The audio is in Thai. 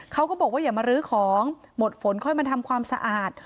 เขาก็บอกว่าอย่ามารื้อของหมดฝนค่อยมาทำความสะอาด